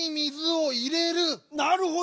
なるほど！